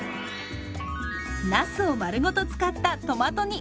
なすを丸ごと使ったトマト煮。